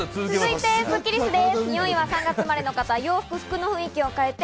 続いてスッキりすです。